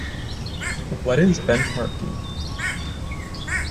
What is Benchmarking?